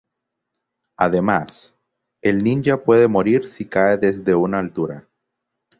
Además, el ninja puede morir si cae desde una altura.